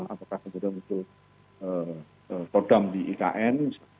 apakah kemudian itu kodam di ikn